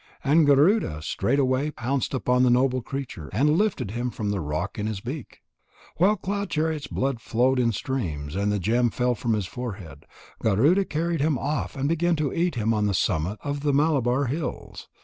And Garuda straightway pounced upon the noble creature and lifted him from the rock in his beak. While Cloud chariot's blood flowed in streams and the gem fell from his forehead, Garuda carried him off and began to eat him on the summit of the Malabar hills.